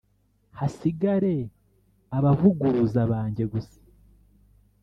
hasigare abavuguruza banjye gusa